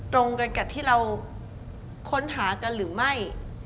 ตรงกันกับที่เราค้นหากันหรือไม่